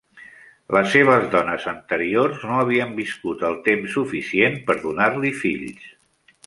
Les seves dones anteriors no havien viscut el temps suficient per donar-li fills.